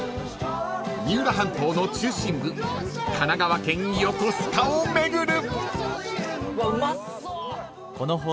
［三浦半島の中心部神奈川県横須賀を巡る］